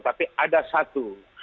tapi ada satu